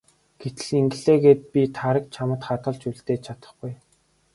Гэтэл ингэлээ гээд би Тараг чамд хадгалж үлдээж чадахгүй.